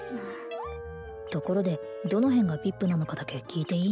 ところでどの辺がＶＩＰなのかだけ聞いていい？